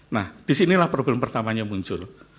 nah disinilah problem pertamanya muncul